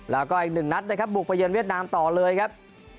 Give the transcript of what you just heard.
แล้วก็อีกหนึ่งนัดนะครับบุกไปเย็นเวียดนามต่อเลยครับ